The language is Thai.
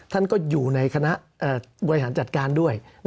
ท่านก็อยู่ในคณะบริหารจัดการด้วย